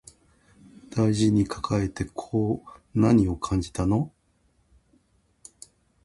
大事に抱えてこう何を感じたの